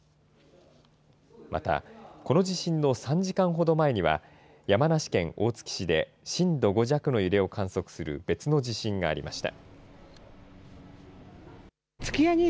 また、この地震の３時間ほど前には、山梨県大月市で震度５弱の揺れを観測する別の地震がありました。